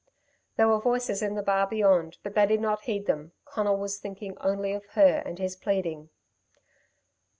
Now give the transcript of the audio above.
There were voices in the bar beyond, but they did not heed them. Conal was thinking only of her and his pleading.